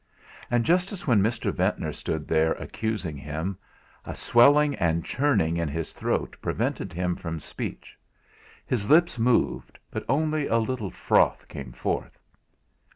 And, just as when Mr. Ventnor stood there accusing him, a swelling and churning in his throat prevented him from speech; his lips moved, but only a little froth came forth.